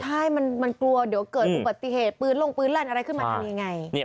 ใช่มันกลัวเดี๋ยวเกิดอุบัติเหตุปืนลงปืนลั่นอะไรขึ้นมาทำยังไง